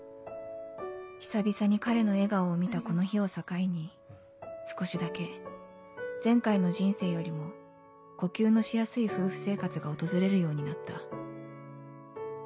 久々に彼の笑顔を見たこの日を境に少しだけ前回の人生よりも呼吸のしやすい夫婦生活が訪れるようになった